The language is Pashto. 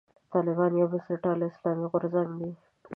طالبان یو بنسټپالی اسلامي غورځنګ دی.